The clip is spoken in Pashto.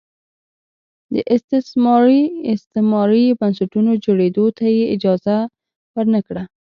د استثماري استعماري بنسټونو جوړېدو ته یې اجازه ور نه کړه.